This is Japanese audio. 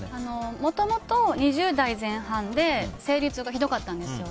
もともと２０代前半で生理痛がひどかったんですよ。